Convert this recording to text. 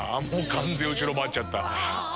完全後ろ回っちゃった。